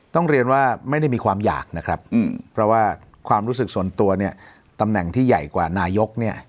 ต้องเรียนว่าไม่ได้มีความอยากนะครับเพราะว่าความรู้สึกส่วนตัวเนี่ยตำแหน่งที่ใหญ่กว่านายกเนี่ย